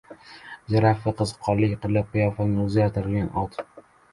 Jirafa — qiziqqonlik qilib qiyofasini o‘zgartirgan ot.